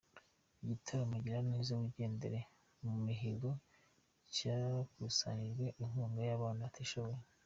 Igitaramo Gira neza wigendere ya Mihigo cyakusanyije inkunga ku bana batishoboye